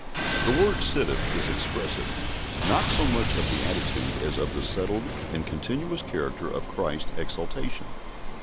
The word "sitteth" is expressive not so much of the attitude as of the settled and continuous character of Christ's exaltation.